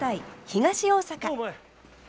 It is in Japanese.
東大阪。